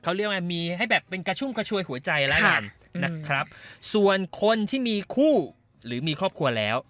เขาเรียกว่ามีให้แบบเป็นกระชุ่มกระชวยหัวใจแล้วกันนะครับส่วนคนที่มีคู่หรือมีครอบครัวแล้ว